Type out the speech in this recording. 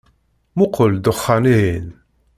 Muqel ddexan-ihin.